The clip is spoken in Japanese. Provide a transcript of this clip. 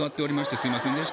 すいません